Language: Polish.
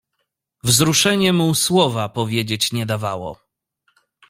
"Wzruszenie mu słowa powiedzieć nie dawało."